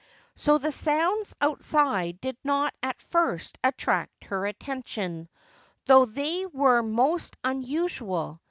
So the sounds outside did not at first attract her attention, though they were most unusual.